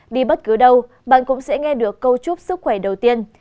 đi bất cứ đâu bạn cũng sẽ nghe được câu chúc sức khỏe đầu tiên